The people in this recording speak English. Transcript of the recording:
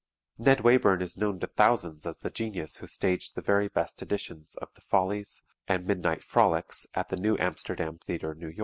Ned Wayburn is known to thousands as the genius who staged the very best editions of "The Follies" and "Midnight Frolics" at the New Amsterdam Theatre, N.Y.